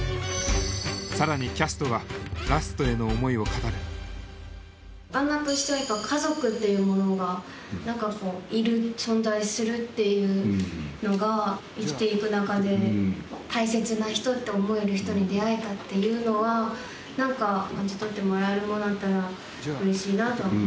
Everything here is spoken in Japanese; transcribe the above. さらにキャストがラストへの思いを語るアンナとしては家族っていうものが何かこういる存在するっていうのが生きて行く中で大切な人って思える人に出会えたっていうのは何か感じ取ってもらえるものあったらうれしいなと思う。